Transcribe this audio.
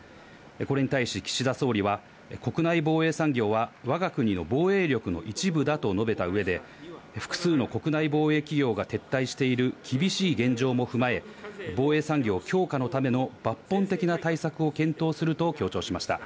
これに対し岸田総理は、国内防衛産業はわが国の防衛力の一部だと述べたうえで、複数の国内防衛企業が撤退している厳しい現状も踏まえ、防衛産業強化のための抜本的な対策を検討すると強調しました。